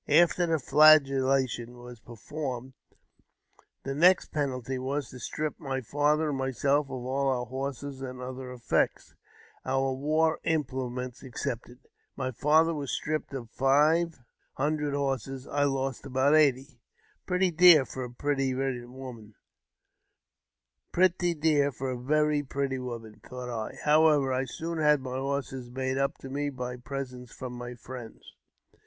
After the flagellation was performed, the next penalty was to strip my father and myself of all our horses and other effects (our war implements excepted). My father was stripped of five hundred horses. I lost about eighty. " Pretty dear for a very pretty woman," thought I. How ever, I soon had my horses made up to me by presents from my friends.